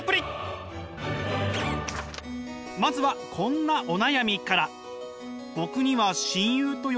まずはこんなお悩みから。